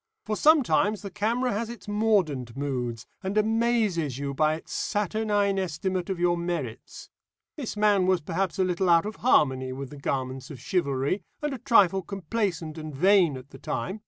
For sometimes the camera has its mordant moods, and amazes you by its saturnine estimate of your merits. This man was perhaps a little out of harmony with the garments of chivalry, and a trifle complacent and vain at the time.